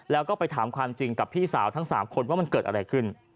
แล้วก็ไปถามความจริงกับพี่สาวทั้ง๓คนว่ามันเกิดอะไรขึ้น